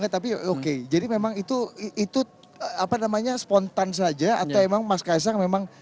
tapi oke jadi memang itu apa namanya spontan saja atau emang mas kaisang memang